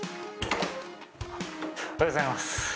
おはようございます。